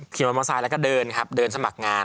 ครีมมาสามแล้วก็เดินครับเดินสมัครงาน